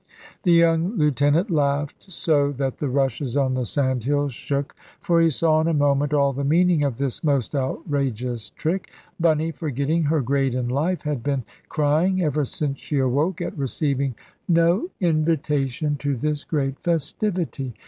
The young lieutenant laughed so that the rushes on the sandhills shook, for he saw in a moment all the meaning of this most outrageous trick. Bunny, forgetting her grade in life, had been crying, ever since she awoke, at receiving no invitation to this great festivity.